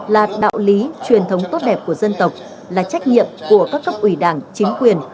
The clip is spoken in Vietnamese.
là đạo lý truyền thống tốt đẹp của dân tộc là trách nhiệm của các cấp ủy đảng chính quyền